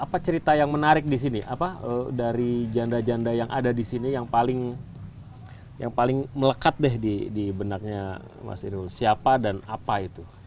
apa cerita yang menarik di sini apa dari janda janda yang ada di sini yang paling melekat deh di benaknya mas irul siapa dan apa itu